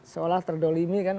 seolah terdolimi kan